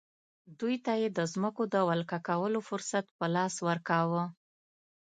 دوی ته یې د ځمکو د ولکه کولو فرصت په لاس ورکاوه.